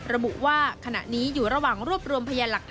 ระบุว่าขณะนี้อยู่ระหว่างรวบรวมพยานหลักฐาน